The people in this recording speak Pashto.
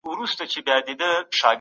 زه هیڅکله له چا سره بد نه کوم.